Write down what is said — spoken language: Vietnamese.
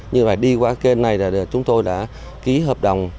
như vậy đi qua kênh này là chúng tôi đã ký hợp đồng